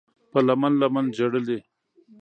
په لمن، لمن ژړلي